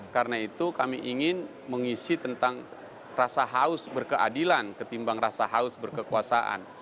karena itu kami ingin mengisi tentang rasa haus berkeadilan ketimbang rasa haus berkekuasaan